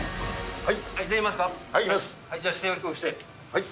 はい。